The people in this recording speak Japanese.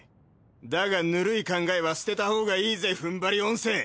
だがぬるい考えは捨てたほうがいいぜふんばり温泉。